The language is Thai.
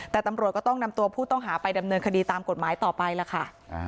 แต่ตำรวจก็ต้องนำตัวผู้ต้องหาไปดำเนินคดีตามกฎหมายต่อไปล่ะค่ะ